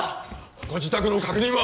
ご自宅の確認は？